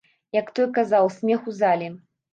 Як той казаў, смех у залі.